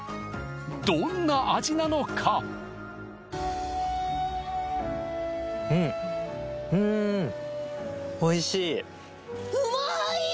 どんな味なのかうんうんうまい？